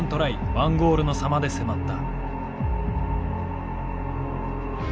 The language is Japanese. １ゴールの差まで迫った。